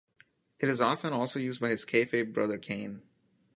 It is often also used by his kayfabe brother Kane.